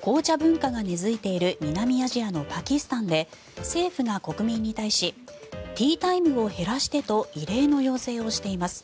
紅茶文化が根付いている南アジアのパキスタンで政府が国民に対しティータイムを減らしてと異例の要請をしています。